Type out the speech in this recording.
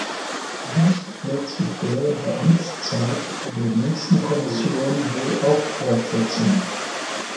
Dies wird sich während der Amtszeit der nächsten Kommission wohl auch fortsetzen.